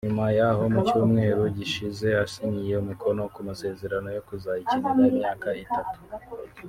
nyuma yaho mu cyumweru gishize ashyiriye umukono ku masezerano yo kuzayikinira imyaka itatu